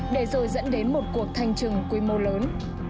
để rồi dẫn đến một cuộc thanh trừng quy mô lớn